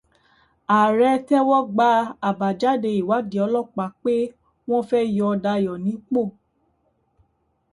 Ààrẹ tẹ́wọ́ gba àbájáde ìwádìí ọlọ́pàá pé wọ́n fẹ́ yọ Dayọ̀ nípò.